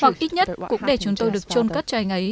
hoặc ít nhất cũng để chúng tôi được trôn cất cho anh ấy